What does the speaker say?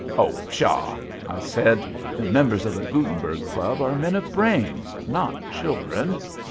"Oh, pshaw!" I said. "The members of the Gutenberg Club are men of brains not children.